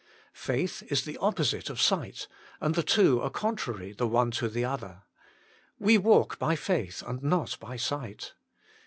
Faith is the opposite of sight, and the two are contrary the one to the other. " We walk by faith, and not by sight."